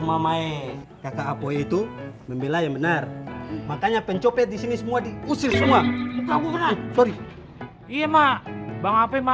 mama e kakak apa itu memilah yang benar makanya pencopet di sini semua diusir semua